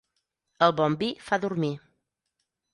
El bon vi fa dormir.